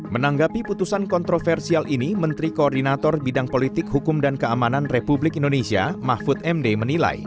menanggapi putusan kontroversial ini menteri koordinator bidang politik hukum dan keamanan republik indonesia mahfud md menilai